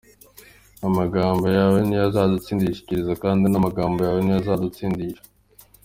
Amagambo yawe ni yo azagutsindishiriza kandi n’amagambo yawe ni yo azagutsindisha.